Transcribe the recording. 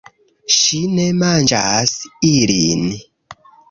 Ŝi ne manĝas ilin